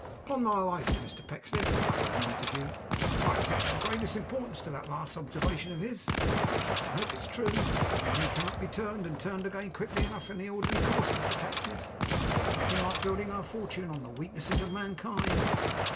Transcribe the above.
'Upon my life, Mr Pecksniff,' cried Montague, 'I attach the greatest importance to that last observation of his. I trust and hope it's true. Money cannot be turned and turned again quickly enough in the ordinary course, Mr Pecksniff. There is nothing like building our fortune on the weaknesses of mankind.